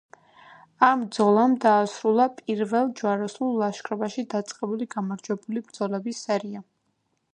ამ ბრძოლამ დაასრულა პირველ ჯვაროსნულ ლაშქრობაში დაწყებული გამარჯვებული ბრძოლების სერია.